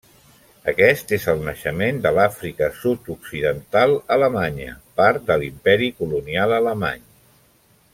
Aquest és el naixement de l'Àfrica Sud-occidental Alemanya, part de l'Imperi colonial alemany.